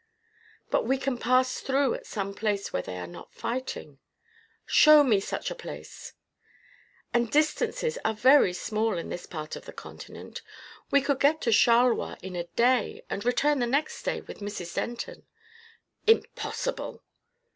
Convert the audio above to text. "But we can pass through at some place where they are not fighting." "Show me such a place!" "And distances are very small in this part of the Continent. We could get to Charleroi in a day, and return the next day with Mrs. Denton." "Impossible."